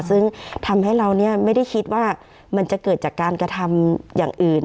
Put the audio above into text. ซึ่งทำให้เราไม่ได้คิดว่ามันจะเกิดจากการกระทำอย่างอื่น